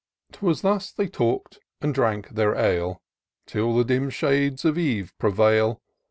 'Twas thus they talk'd and drank their ale. Till the dim shades of eve prevail.